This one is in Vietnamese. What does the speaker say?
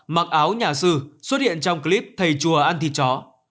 mặc áo nhà sư xuất hiện trong clip thầy chùa ăn thịt chó